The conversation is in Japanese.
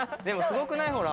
でもすごくない？